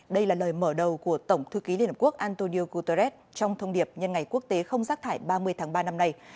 đây là lời mở đầu của tổng thư ký liên hợp quốc antonio guterres trong thông điệp nhân ngày quốc tế không rác thải ba mươi tháng ba năm nay